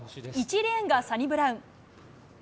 １レーンがサニブラウン。